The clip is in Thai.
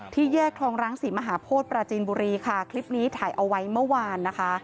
แยกคลองรังศรีมหาโพธิปราจีนบุรีค่ะคลิปนี้ถ่ายเอาไว้เมื่อวานนะคะ